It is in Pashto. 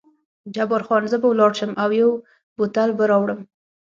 جبار خان: زه به ولاړ شم او یو بوتل به راوړم.